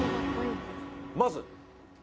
まず。